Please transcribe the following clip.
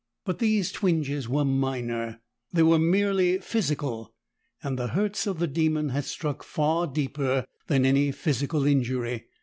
But these twinges were minor; they were merely physical, and the hurts of the demon had struck far deeper than any physical injury.